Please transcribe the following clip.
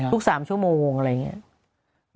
ทุก๓ชั่วโมงอะไรอย่างนี้